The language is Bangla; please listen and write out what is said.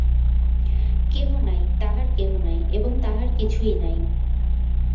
কেহ নাই, তাহার কেহ নাই এবং তাহার কিছুই নাই।